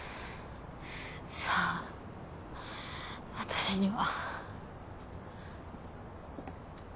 さあ私には。